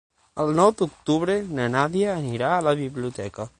El nou d'octubre na Nàdia anirà a la biblioteca.